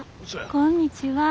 こんにちは。